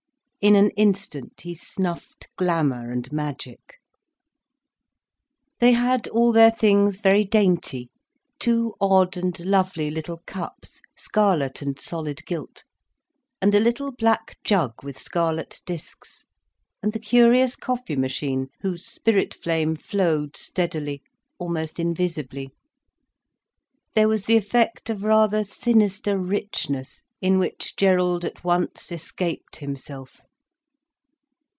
In an instant he snuffed glamour and magic. They had all their things very dainty, two odd and lovely little cups, scarlet and solid gilt, and a little black jug with scarlet discs, and the curious coffee machine, whose spirit flame flowed steadily, almost invisibly. There was the effect of rather sinister richness, in which Gerald at once escaped himself.